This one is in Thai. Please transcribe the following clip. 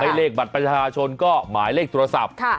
เลขบัตรประชาชนก็หมายเลขโทรศัพท์